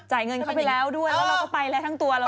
เงินเข้าไปแล้วด้วยแล้วเราก็ไปแล้วทั้งตัวเรา